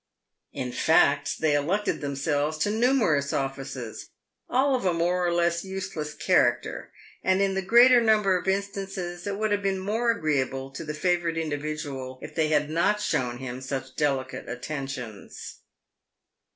In fact, they elected themselves to numerous offices, all of a more or less useless character, and in the greater number of instances it would have been more agreeable to the favoured individual if they had not shown him such delicate atten tions.